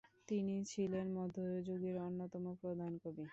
তিনি ছিলেন মধ্যযুগের অন্যতম প্রধান কবি।